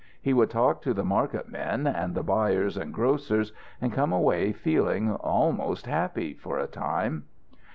He would talk to the marketmen, and the buyers and grocers, and come away feeling almost happy for a time.